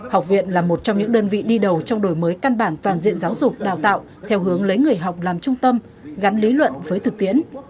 học viện là một trong những đơn vị đi đầu trong đổi mới căn bản toàn diện giáo dục đào tạo theo hướng lấy người học làm trung tâm gắn lý luận với thực tiễn